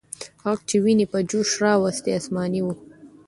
ږغ چې ويني په جوش راوستلې، آسماني و.